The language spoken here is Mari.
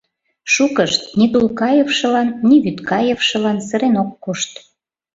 Шукышт ни Тулкаевшылан, ни Вӱдкаевшылан сырен ок кошт.